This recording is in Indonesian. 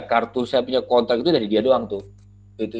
kartu saya punya kontrak itu dari dia doang tuh